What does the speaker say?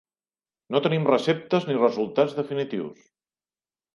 No tenim receptes ni resultats definitius.